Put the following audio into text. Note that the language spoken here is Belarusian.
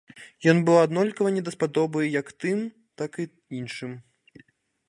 Ён быў аднолькава не даспадобы як тым, так і іншым.